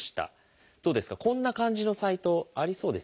どうですかこんな感じのサイトありそうですよね。